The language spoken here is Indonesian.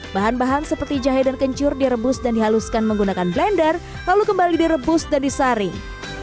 bahan bahan seperti jahe dan kencur direbus dan dihaluskan menggunakan blender lalu kembali direbus dan disaring